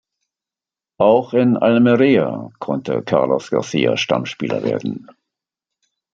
Auch in Almería konnte Carlos García Stammspieler werden.